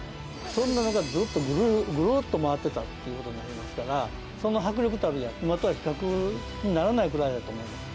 そんなのがずっと、ぐるっと回ってたっていう事になりますからその迫力たるや今とは比較にならないぐらいだと思います。